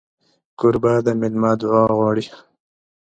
کوربه د مېلمه دعا غواړي.